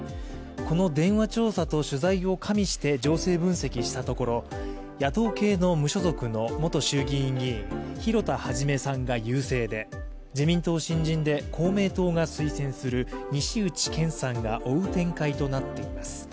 この電話調査と取材を加味して情勢分析したところ野党系の無所属の元衆議院議員広田一さんが優勢で自民党新人で公明党が推薦する西内健さんが追う展開となっています。